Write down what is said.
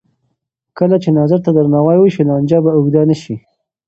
کله چې نظر ته درناوی وشي، لانجه به اوږده نه شي.